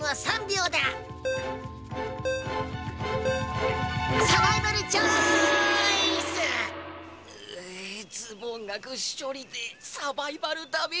うっズボンがぐっしょりでサバイバルダメージだ。